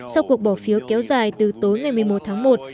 sau cuộc bỏ phiếu kéo dài từ tối ngày một mươi một tháng một